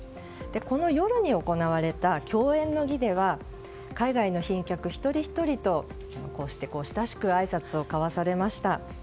この夜に行われた饗宴の儀では海外の賓客一人ひとりと親しくあいさつを交わされました。